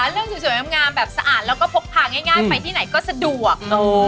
เรื่องสวยงามแบบสะอาดแล้วก็พกพาง่ายไปที่ไหนก็สะดวก